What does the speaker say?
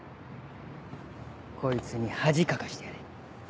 こいつに恥かかせてやれ。